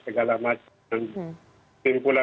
segala macam timpul